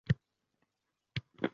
- Do'stim, menga yoqasanmi?